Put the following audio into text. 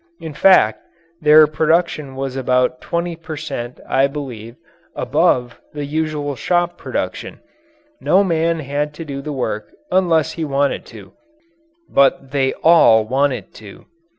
In fact, their production was about 20 per cent., I believe, above the usual shop production. No man had to do the work unless he wanted to. But they all wanted to.